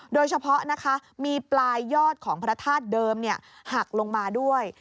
โดยเฉพาะนะคะมีปลายยอดของพระธาตุเดิมหักลงมาด้วย